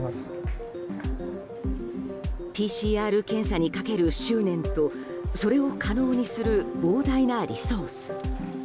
ＰＣＲ検査にかける執念とそれを可能にする膨大なリソース。